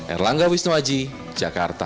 erlangga wisnuaji jakarta